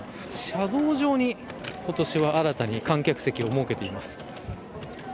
車道上に、今年は新たに観客席を設けています。